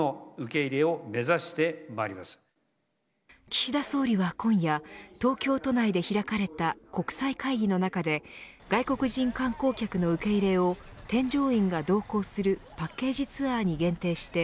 岸田総理は今夜東京都内で開かれた国際会議の中で外国人観光客の受け入れを添乗員が同行するパッケージツアーに限定して